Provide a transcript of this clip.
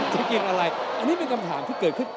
จะกินอะไรอันนี้เป็นคำถามที่เกิด